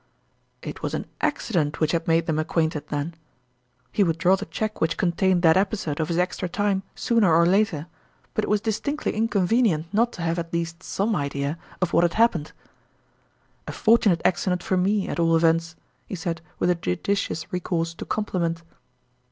It was an accident which had made them acquainted, then. He would draw the cheque which contained that episode of his extra time sooner or later ; but it was distinctly in in'0 ;first (Eertte. 37 convenient not to have at least some idea of what had happened. " A fortunate accident for me, at all events," he said with a judicious recourse to compli ment.